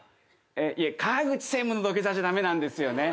いや川口専務の土下座じゃダメなんですよね。